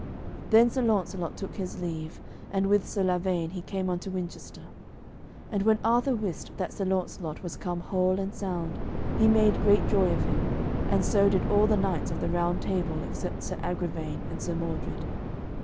Then Sir Launcelot took his leave, and with Sir Lavaine he came unto Winchester. And when Arthur wist that Sir Launcelot was come whole and sound, he made great joy of him, and so did all the knights of the Round Table except Sir Agravaine and Sir Mordred.